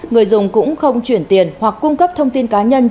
người dùng cũng không chuyển tiền hoặc cung cấp thông tin cá nhân